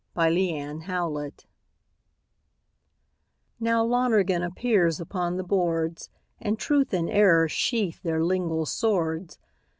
AN INTERPRETATION Now Lonergan appears upon the boards, And Truth and Error sheathe their lingual swords.